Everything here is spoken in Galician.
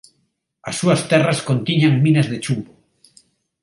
As súas terras contiñan minas de chumbo.